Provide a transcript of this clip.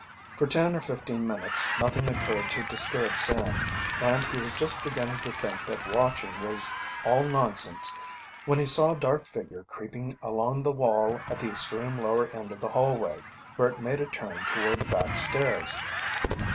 For ten or fifteen minutes nothing occurred to disturb Sam, and he was just beginning to think that watching was all nonsense when he saw a dark figure creeping along the wall at the extreme lower end of the hallway, where it made a turn toward the back stairs.